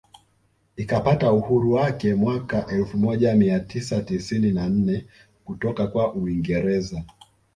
Ikapata uhuru wake mwaka elfu moja mia tisa tisini na nne kutoka kwa Uingereza